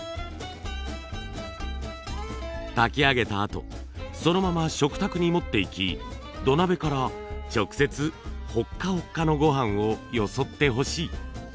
炊き上げたあとそのまま食卓に持っていき土鍋から直接ほっかほっかの御飯をよそってほしい。